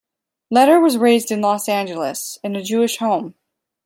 Leder was raised in Los Angeles, in a Jewish home.